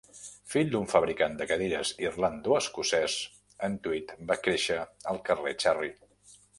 Fill d'un fabricant de cadires irlando-escocès, en Tweed va créixer al carrer Cherry.